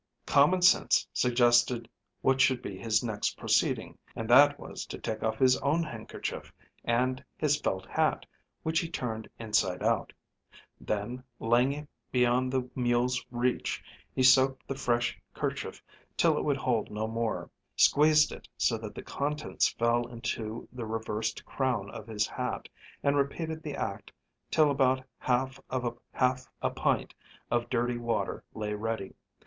Common sense suggested what should be his next proceeding, and that was to take off his own handkerchief and his felt hat, which he turned inside out. Then laying it beyond the mule's reach, he soaked the fresh kerchief till it would hold no more, squeezed it so that the contents fell into the reversed crown of his hat, and repeated the act till about half of half a pint of dirty water lay ready.